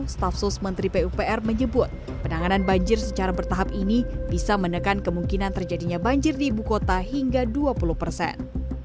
staf sus menteri pupr menyebut penanganan banjir secara bertahap ini bisa menekan kemungkinan terjadinya banjir di ibu kota hingga dua puluh persen